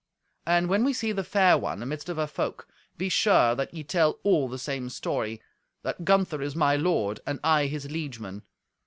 And when we see the fair one amidst of her folk, be sure that ye tell all the same story: that Gunther is my lord, and I his liegeman.